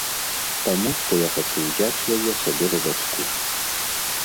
Таму, што я хачу ўзяць яе сабе за дачку.